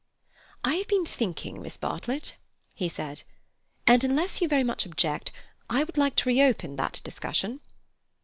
"I have been thinking, Miss Bartlett," he said, "and, unless you very much object, I would like to reopen that discussion."